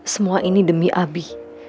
semua ini demi abi